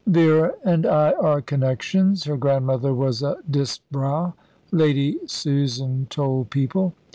"Vera and I are connections. Her grandmother was a Disbrowe," Lady Susan told people.